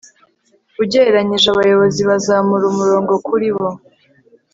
ugereranyije abayobozi bazamura umurongo kuri bo